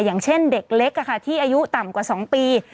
อย่างเช่นเด็กเล็กที่อายุต่ำกว่า๒ปี